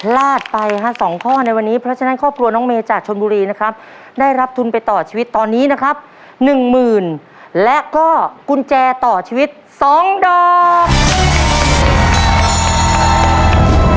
ลาดไปฮะสองข้อในวันนี้เพราะฉะนั้นครอบครัวน้องเมย์จากชนบุรีนะครับได้รับทุนไปต่อชีวิตตอนนี้นะครับหนึ่งหมื่นและก็กุญแจต่อชีวิต๒ดอก